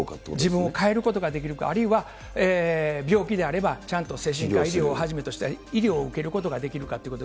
自分を変えることができるかどうか、あるいは病気であれば、ちゃんと精神科医療をはじめとした医療を受けることができるかってこと。